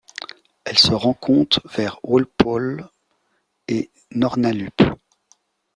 Elle se rencontre vers Walpole et Nornalup.